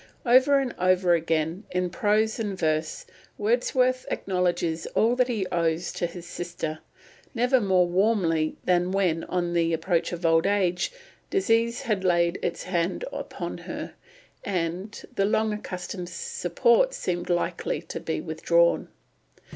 Over and over again, in prose and verse, Wordsworth acknowledges all that he owes to his sister; never more warmly than when, on the approach of old age, disease had laid its hand upon her, and the long accustomed support seemed likely to be withdrawn.